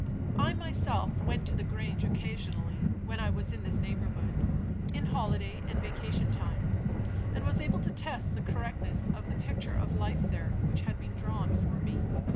I myself went to the Grange occasionally, when I was in this neighborhood, in holiday and vacation time; and was able to test the correctness of the picture of life there which had been drawn for me.